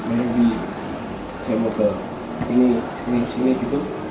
mungkin di jemur ke sini sini sini gitu